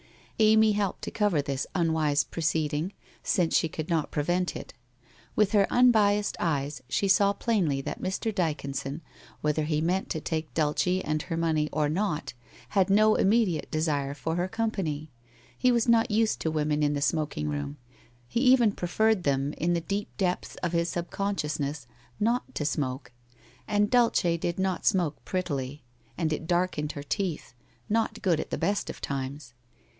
Amy helped to cover this unwise proceed ing, since she could not prevent it. With her unbiassed eyes she saw plainly that Mr. Dyconson, whether he meant to take Dulce and her money or not, had no immediate de sire for her company. He was not used to women in the smoking room, he even preferred them, in the deep depth of his subconsciousness, not to smoke. And Dulce did not smoke prettily, and it darkened her teeth, not good at the best of times.